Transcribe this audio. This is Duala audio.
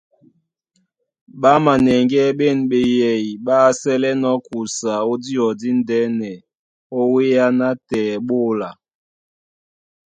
Ɓá manɛŋgɛ́ ɓên ɓeyɛy ɓá sɛ́lɛ́nɔ̄ kusa ó díɔ díndɛ́nɛ ó wéá nátɛɛ ɓé óla.